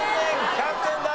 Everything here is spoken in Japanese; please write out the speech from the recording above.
キャプテン脱落。